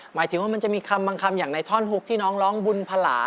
หมายถึงว่ามันจะมีคำบางคำอย่างในท่อนฮุกที่น้องร้องบุญพลา